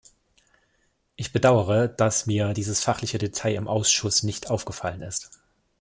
Ich bedauere, dass mir dieses fachliche Detail im Ausschuss nicht aufgefallen ist.